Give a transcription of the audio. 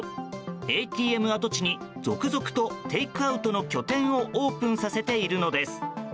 ＡＴＭ跡地に続々とテイクアウトの拠点をオープンさせているのです。